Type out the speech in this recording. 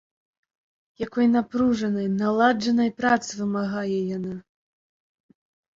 Якой напружанай, наладжанай працы вымагае яна!